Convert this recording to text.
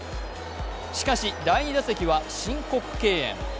しかし、第２打席は申告敬遠。